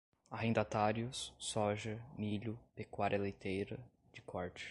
arrendatários, soja, milho, pecuária leiteira, de corte